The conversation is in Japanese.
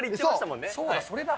そうだ、それだ。